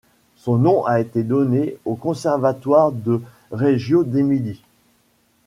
Son nom a été donné au Conservatoire de Reggio d'Émilie.